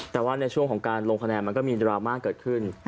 แต่ว่าในช่วงของการลงคะแนนมันก็มีดราม่าเกิดขึ้น